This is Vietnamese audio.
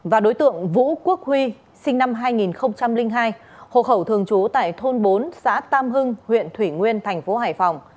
và đối tượng vũ quốc huy sinh năm hai nghìn hai hộ khẩu thường trú tại thôn bốn xã tam hưng huyện thủy nguyên tp hải phòng